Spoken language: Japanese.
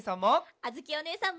あづきおねえさんも！